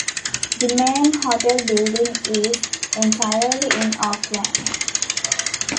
The main hotel building is entirely in Oakland.